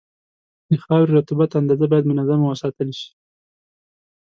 د خاورې رطوبت اندازه باید منظمه وساتل شي.